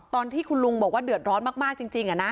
ตอนที่คุณลุงบอกว่าเดือดร้อนมากจริง